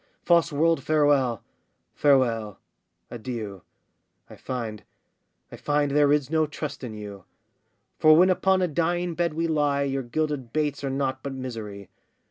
false world, farewell! farewell! adieu! I find, I find, there is no trust in you! For when upon a dying bed we lie, Your gilded baits are nought but misery.